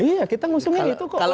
iya kita musuhnya gitu kok